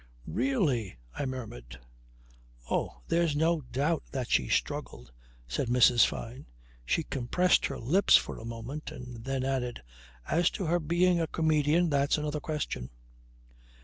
"Really!" I murmured. "Oh! There's no doubt that she struggled," said Mrs. Fyne. She compressed her lips for a moment and then added: "As to her being a comedian that's another question."